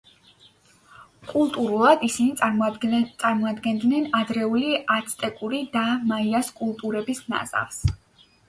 კულტურულად ისინი წარმოადგენდნენ ადრეული აცტეკური და მაიას კულტურების ნაზავს.